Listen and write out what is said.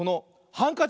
ハンカチ。